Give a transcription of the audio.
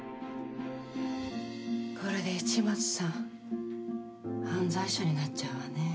これで市松さん犯罪者になっちゃうわね。